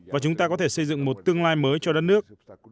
và chúng ta có thể xây dựng một tương lai mới cho đất nước